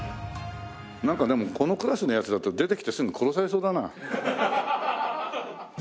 なんかでもこのクラスのやつだと出てきてすぐ殺されそうだな。